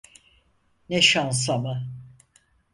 Ne şans ama!